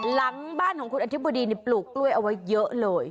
หลังบ้านของคุณอธิบดีปลูกกล้วยเอาไว้เยอะเลย